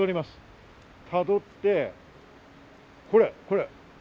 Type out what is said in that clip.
たどって、これ、これ！